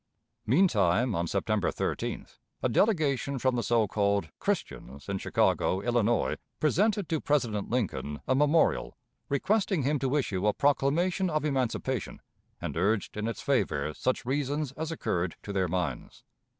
Meantime, on September 13th, a delegation from the so called "Christians" in Chicago, Illinois, presented to President Lincoln a memorial, requesting him to issue a proclamation of emancipation, and urged in its favor such reasons as occurred to their minds.